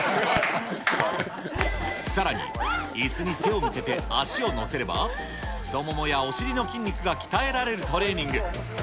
さらにいすに背を向けて足を乗せれば、太ももやお尻の筋肉が鍛えられるトレーニング。